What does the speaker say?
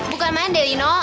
bukan main deh lino